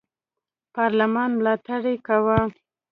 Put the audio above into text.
پارلمان ملاتړ یې کاوه.